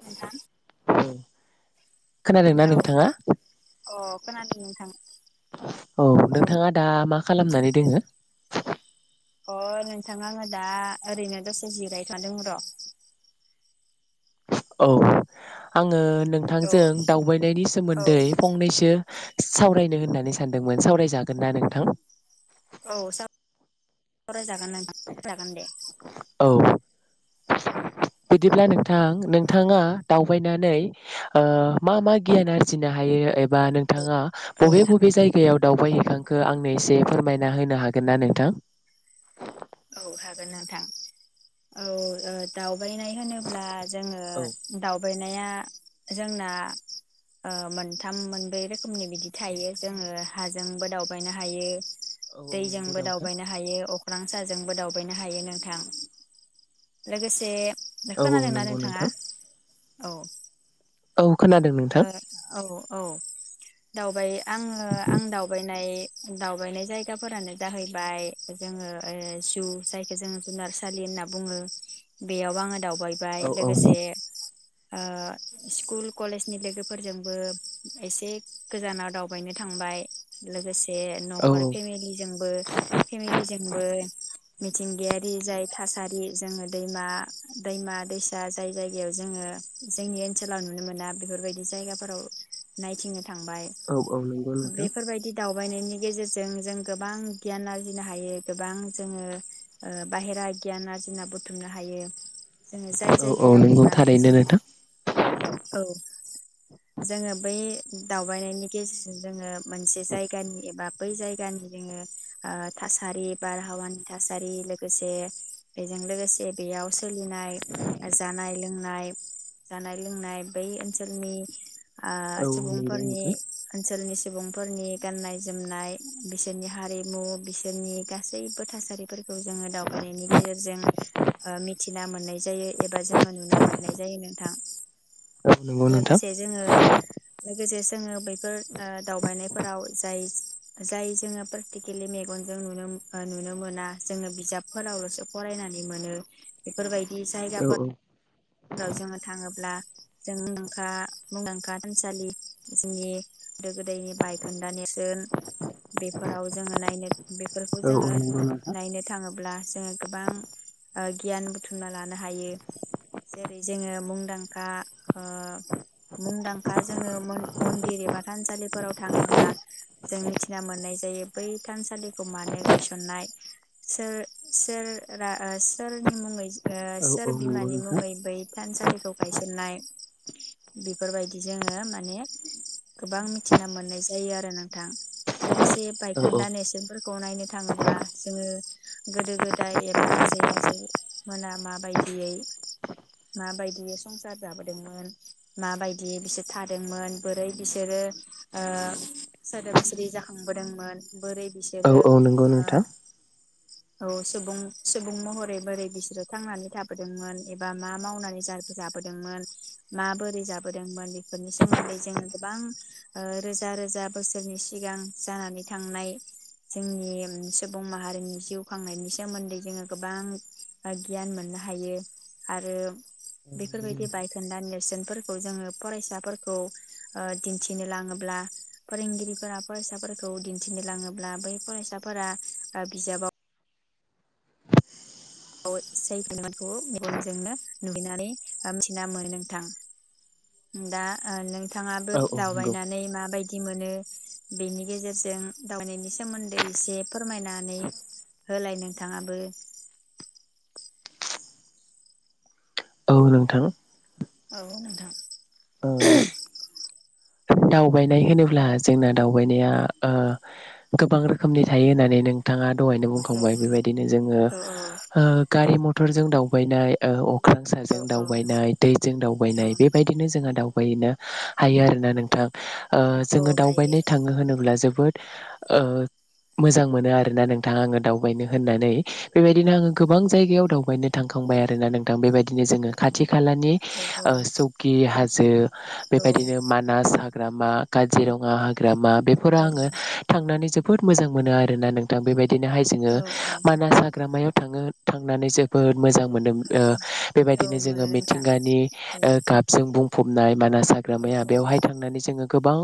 नोंथां औ खोनादोंना हेलौ नोंथाङा? अ खोनादों नोंथां। औ नोंथाङा दा मा खालामनानै खोनादों दोङो? अ नोंथां आङो दा ओरैनो दसे जिरायना दं र औ आङो औ नोंथांजों दावबायनायनि औ सोमोन्दै फंनैसो सावरायनो होननानै सानदोंमोन सावरायजागोन ना नोंथां? औ सवरायजागोन नोंथां जागोन दे औ बिदिब्ला नोंथां नोंथाङा दावबायनानै ओ मा मा गियान आरजिनो हायो बा नोंथाङा औ बबे नोंथां बबे जायगायाव दावबायहैखांखो आंनो एसे फोरमायना होनो हागोन ना नोंथां? औ हागोन नोंथां औ ओ दाव बायनाय होनोब्ला जोङो औ दावबाय नाया जोंना ओ मोनथाम मोनब्रै रोखोमनि बिदि थायो जोङो हाजोंबो दावबायनो हायो। औ नंगौ दैजोंबो नोंथां दावबायनो हायो, अ अख्रांसाजोंबो दावबायनो हायो नोंथां लोगोसे औ औ खोनादोंना नंगौ नोंथाङा नोंथां। औ। औ। खोनादों नोंथां। ओ औ औ दावबाय आङो आं दावबायनाय दावबायनाय जायगाफोरानो जाहैबाय जोङो ओ जु जायखौ जोङो जुनारसालि होनना बुङो बेयाव आङो दाव औ बायबाय औ लोगोसे ओ स्कुल कलेज नि लोगोफोरजोंबो एसे गोजानाव दावबायनो थांबाय लोगोसे बे औ नखर फेमिलिजोंबो फेमिलिजों बे मिथिंगायारि जाय थासारि जोङो दैमा दैमा दैसा जाय जायगायाव जोङो जोंनि ओनसोलाव नुनो मोना। बेफोरबायदि जायगाफोराव नायथिंनो थांबाय औ औ नंगौ नोंथां बेफोरबायदि दाव बायनायनि गेजेरजों जों गोबां गियान आरजिनो हायो। गोबां जोङो ओ बाहेरा गियान आरजिना बुथुमनो हायो। जोङो जाय औ औ जायगायाव नंगौ थांनानै थारैनो जों नोंथां। औ जोङो बै नि दावबायनायनि गेजेरजों जोङो मोनसे जायगानि एबा बै जायगानि जोङो ओ थासारि बारहावानि थासारि लोगोसे बेजों लोगोसे बेयाव सोलिनाय जानाय लोंनाय जानाय लोंनाय बै ओन सोलनि आ औ नंगौ सुबुंफोरनि नोंथां। ओनसोलनि सुबुंफोरनि गान्नाय - जोमनाय, बिसोरनि हारिमु, बिसोरनि गासैबो थासारिफोरखौ जोङो दावबायनायनि गेजेरजों ओ मिथिना मोननाय जायो एबा जोङो नुना मोननाय जायो नोंथां। औ नोंगौ नोंथां। लोगोसे जोङो लोगोसे जोङो बेैफोर दावबायनायफोराव जाय जाय जोङो प्रेकटिकेलि मेगनजों नुनो नुनो मोना जोङो बिजाबफोरावलसो फरायनानै नुनो मोनो बेफोरबायदि दि जायगाफोर राव जोङो थाङोब्ला जों [unintelligible] मुंदांखा थानसालि जोंनि गोदो गोदायनि बायखोन्दा नेरसोन बेफोराव जोङो नायनो बेफोरखौ जोङो नायनो थाङोब्ला जोङो गोबां ओ गियान बुथुमना लानो हायो। जेरै जोङो मुंदांखा ओ मुंदांखा जोङो मन मन्दिर एबा थानसालिफोराव थाङोब्ला जों मिथिना मोननाय जायो बै थानसालिखौ मानो गायसननाय सोर सोर रा सोरनि मुङै ओ औ सोर नंगौ बिमानि नोंथां मुङै थानसालिखौ गायसननाय बेफोरबायदि जोङो माने गोबां मिथिना मोननाय जायो आरो नोंथां। लोगोसे औ नंगौ नोंथां। औ औ बायखोन्दा नेरसोनफोरखौ नायनो थाङोब्ला जोङो गोदो गोदाय एबा आजै आजौमोना माबायदियै माबायदियै संसार जाबोदोंमोन, माबायदि बिसोर थादोंमोन, बोरै बिसोरो ओ सोदोमस्रि जाखांबोदोंमोन, बोरै औ बिसोरो औ नंगौ ओ नोंथां। औ सुबुं - सुबुं महरै बोरै बिसोरो थांनानै थाबोदोंमोन ए बा मा मावनानै जा-जाबोदोंमोन, मा बोरै जाबोदोंमोन बेफोरनि सोमोन्दै जोङो गोबां ओ रोजा - रोजा बोसोरनि सिगां जानानै थांनाय जोंनि सुबुं माहारिनि जिउ खांनायनि सोमोन्दै जोङो गोबां ओ गियान मोननो हायो। आरो बेफोरबायदि बायखोन्दा नेरसोनफोरखौ जोङो फरायसाफोरखौ ओ दिन्थिनो लाङोब्ला फोरोंगिरिफोरा फरायसाफोरखौ दिन्थिनो लाङोब्ला बै फरायसाफोरा ओ बिजाबाव [unintelligible] मेगनजोंनो नुहैनानै मिथिना मोनो नोंथां। दा ओ नों थाङाबो औ औ नंगौ दावबायनानै माबायदि मोनो? बेनि गेजेरजों दावबायनायनि सोमोन्दै एसे फोरमायनानै होलाय नोंथाङाबो। औ नोंथां। औ नोंथां। ओ दावबायनाय होनोब्ला जोंना दावबायनाया ओ गोबां रोखोमनि थायो होननानै नोंथाङा दहायनो औ बुंखांबाय बेबायदिनो जोङो औ हो गारि म फोरजों दावबायनाय ओ अक अख्रां औ साजों औ दावबायनाय दैजों दावबायनाय बेबायदिनो जोंहा दाव यैनो हायो आरोना नों थां ओ औ जोङो हायो दावबायनाय थाङो होनोब्ला जोब बोद ओ मोजां मोनो आरोना नोंथां आङो दावबायनो होननानै। बेबायदिनो आङो गोबां जायगायाव दावबायनो थांखांबाय आरो ना नोंथां बेबायदिनो जोङो खाथि खालारनि औ औ ओ सकि हा जे ओ औ बेबायदिनो मानास हा ग्रामा काजिरङा हाग्रामा बेफोराव आङो औ थांनानै जोब बोद मोजां मोनो आरोना नोंथां बेबाद दिनोहाय जोङो औ औ मानास हाग्रामायाव थाङो थांनानै जोबोद मोजां मोनो औ ओ बेबायदिनो मोनो जोङो नोंथां मिथिंगानि औ गाबजों बुं फबनाय मानाय औ मोनो नोंथां औ हाग्रामाया औ बेवहाय थांनानै गोबां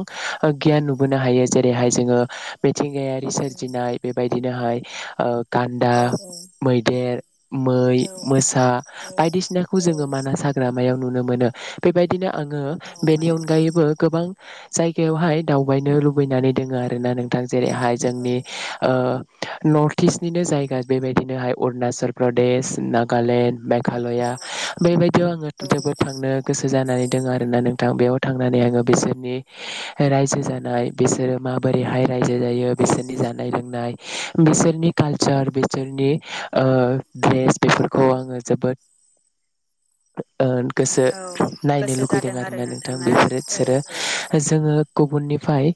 गियान नुबोनो हायो जेरैहाय जोङो मिथिंगायारि नोंथां सोरजिनाय बेबायदिनोहाय औ गान्दा मैदेर मै मोसा बायदिसिनाखौ जोङो मानास हाग्रामायाव नुनो मोनो बेबायदिनो आङो बेनि अनगायैबो गोबां जायगायावहाय दावबायनो लुबैनानै दोङो आरो ना नोंथां। जेरैहाय औ जोंनि ओ नर्थ इस्टनिनो जायगा बेबायदिनोहाय अरुणाचल प्रदेश नागालेण्ड मे मेघालया बेबायदियाव आङो जोद थांनो गोसो जानानै दङ आरोना नों बेयाव थांनानै आङो बेसे रायजो जानाय बिसोरो माबोरैहाय रायजो जायो बिसोरनि जानाय लोंनाय बिसोरनि कालचार बिसोरनि ओ द्रेस बेफोरखौ आङो जोबोद ओ गोसो औ नायनो गोसो लुगैदों जादों आरो आरोना नोंथां ना बेफोरो औ सोरो जोङो गुबुननिफ्राय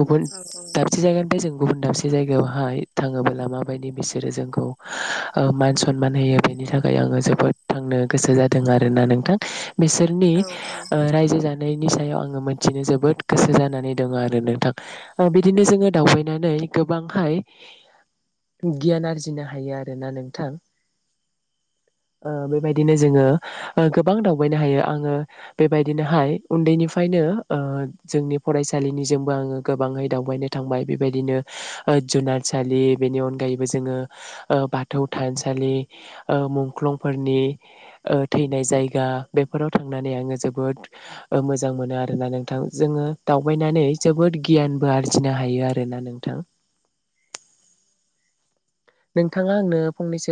गुबुन औ दाबसे जायगानि बे जों गुबुन दाबसे जायगायावहाय थाङोबोला माबायदि बिसोरो जोंखौ ओ मान सनमान होयो बेनि थाखाय आङो जोबोद थांनो गोसो जादों आरोना नोंथां। बिसोरनि औ औ रायजो जानाय नायनि सायाव आं मोनथिनो जोबोद गोसो जानानै दङ आरो नोंथां ओ बिदिनो जोङो दावबायनानै गोबांहाय गियान आरजिनो हायो आरोना नोंथां ओ बेबायदिनो जोङो ओ गोबां दावबायनो हायो आङो बेबायदिनोहाय उन्दैनि ओंखायनो ओ जोंनि फरायसालिनिजोंबो आङो गोबाङै दावबायनो थांबाय बेबायदिनो ओ जुनारसालि बेनि अनगायैबो जोङो ओ बाथौ थानसालि ओ मुंख्लंफोरनि ओ थैनाय जायगा बेफोराव थांनानै आङो जोबोद ओ मोजां मोजां मोनो आरोना नोंथां जोङो दावबायनानै जोबोद गियानबो आरजिनो हायो आरोना नोंथां। नोंथाङा आंनो फंनैसो